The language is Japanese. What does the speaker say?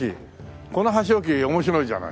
この箸置き面白いじゃない。